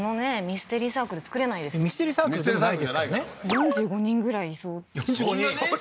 ミステリーサークルでもないですからね４５人ぐらいいそうそんなに？